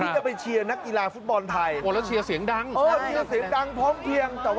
จะไปเชียร์นักอีหมาฟุตบอลไทย